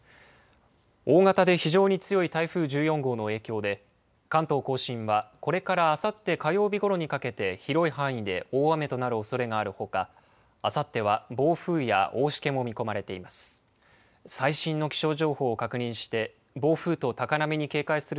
大型で非常に強い台風１４号の影響で、関東甲信はこれからあさって火曜日ごろにかけて、広い範囲で大雨となるおそれがあるほか、あさっては暴風や大しけも見込まれています。